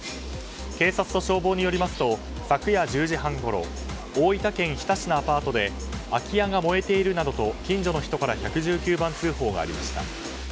警察と消防によりますと昨夜１０時半ごろ大分県日田市のアパートで空き家が燃えているなどと近所の人から１１９番通報がありました。